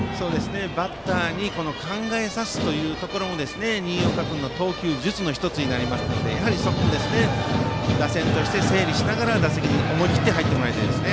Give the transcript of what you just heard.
バッターに考えさせるというところも新岡君の投球術の１つになるのでそこも打線として整理しつつ打席に思い切って入ってもらいたいです。